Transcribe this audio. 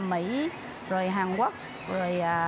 mỹ rồi hàn quốc rồi